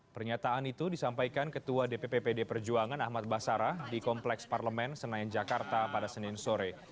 pernyataan itu disampaikan ketua dpp pd perjuangan ahmad basara di kompleks parlemen senayan jakarta pada senin sore